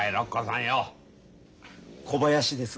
小林です。